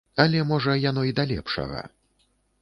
Але, можа, яно і да лепшага.